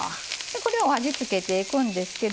これを味付けていくんですけども。